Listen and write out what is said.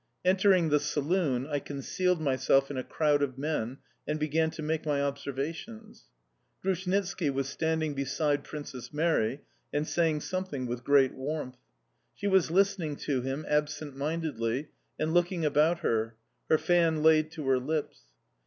Entering the saloon, I concealed myself in a crowd of men, and began to make my observations. Grushnitski was standing beside Princess Mary and saying something with great warmth. She was listening to him absent mindedly and looking about her, her fan laid to her lips.